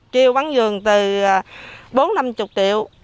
kêu bán giường từ bốn năm mươi triệu